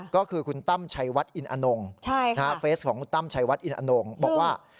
ก็คือคุณตั้มชัยวัดอินอนงเฟสของคุณตั้มชัยวัดอินอนงบอกว่า